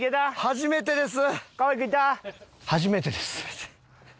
初めてです。